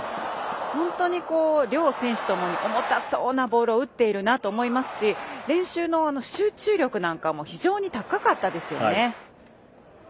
本当に両選手ともに重たそうなボールを打っているなと思いますし練習の集中力なんかも非常に高かったですよね。